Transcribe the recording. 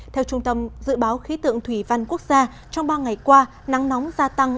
theo trung tâm dự báo khí tượng thủy văn quốc gia trong ba ngày qua nắng nóng gia tăng